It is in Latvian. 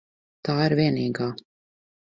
Tā ir vienīgā.